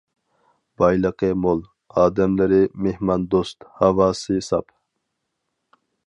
بايلىقى مول، ئادەملىرى مېھماندوست، ھاۋاسى ساپ.